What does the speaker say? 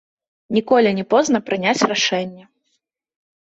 Ніколі не позна прыняць рашэнне.